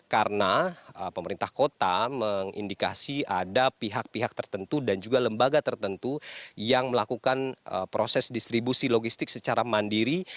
karena pemerintah kota mengindikasi ada pihak pihak tertentu dan juga lembaga tertentu yang melakukan proses distribusi logistik secara mandiri